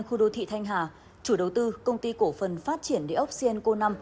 khu đô thị thanh hà chủ đầu tư công ty cổ phần phát triển địa ốc cn co năm